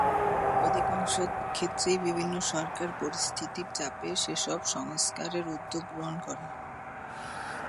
অধিকাংশ ক্ষেত্রেই বিভিন্ন সরকার পরিস্থিতির চাপে সেসব সংস্কারের উদ্যোগ গ্রহণ করে।